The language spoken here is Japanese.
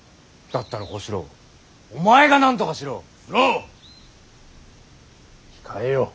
だったら小四郎お前がなんとかしろ！